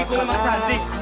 gue emang cantik